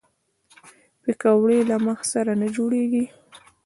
پکورې له مغز سره نه جوړېږي